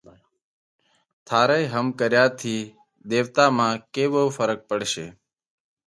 ٿارئہ هم ڪريا ٿِي ۮيوَتا مانه ڪيوو ڦرق پڙشي؟